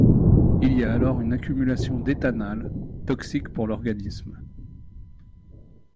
Il y a alors une accumulation d'éthanal, toxique pour l'organisme.